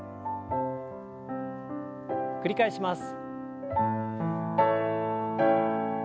繰り返します。